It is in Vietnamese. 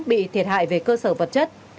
bị thiệt hại về cơ sở vật chất